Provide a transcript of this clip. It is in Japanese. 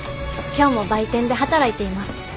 今日も売店で働いています。